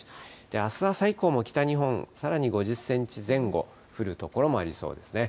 あす朝以降も北日本、さらに５０センチ前後降る所もありそうですね。